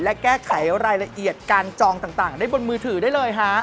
และแก้ไขรายละเอียดการจองต่างได้บนมือถือได้เลยฮะ